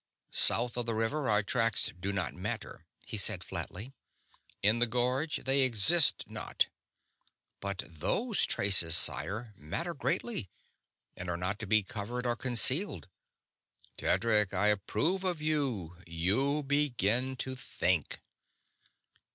"South of the river our tracks do not matter," he said, flatly. "In the gorge they exist not. But those traces, sire, matter greatly and are not to be covered or concealed." "Tedric, I approve of you you begin to think!"